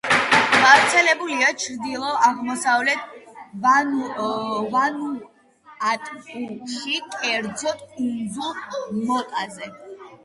გავრცელებულია ჩრდილო-აღმოსავლეთ ვანუატუში, კერძოდ, კუნძულ მოტაზე.